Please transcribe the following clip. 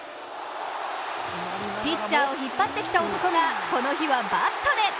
ピッチャーを引っ張ってきた男がこの日はバットで。